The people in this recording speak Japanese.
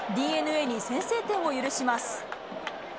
ＤｅＮＡに先制点を許します。